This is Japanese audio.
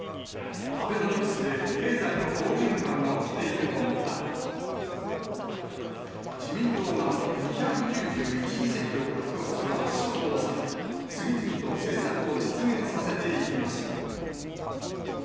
アベノミクスで経済の好循環が起きていると訴え、自民党が２９１議席を獲得する圧勝を収め、次々と政策を実現させていきました。